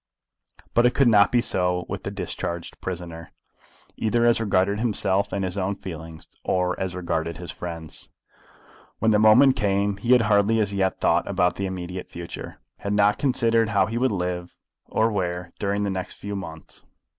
But it could not be so with this discharged prisoner, either as regarded himself and his own feelings, or as regarded his friends. When the moment came he had hardly as yet thought about the immediate future, had not considered how he would live, or where, during the next few months.